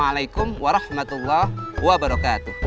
waalaikumsalam warahmatullahi wabarakatuh